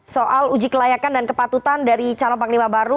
soal uji kelayakan dan kepatutan dari calon panglima baru